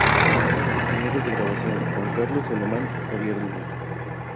Ingenieros de Grabación: Juan Carlos Alemán y Javier Luna.